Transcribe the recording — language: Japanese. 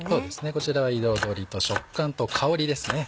こちらは彩りと食感と香りですね。